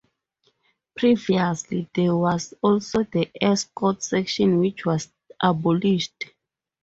Previously, there was also the Air Scout section which was abolished.